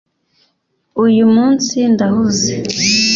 uyu munsi ndahuze